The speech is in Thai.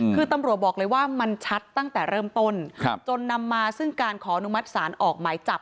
คือตำรวจบอกเลยว่ามันชัดตั้งแต่เริ่มต้นจนนำมาซึ่งการขออนุมัติศาลออกหมายจับ